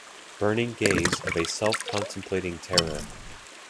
Burning gaze of a self-contemplating terror.